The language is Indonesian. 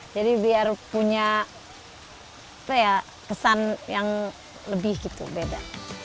jadi biar punya pesan yang lebih gitu beda